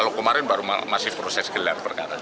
kalau kemarin baru masih proses gelar perkara